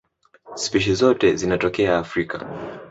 Spishi zote zinatokea Afrika.